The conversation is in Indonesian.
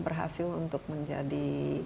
berhasil untuk menjadi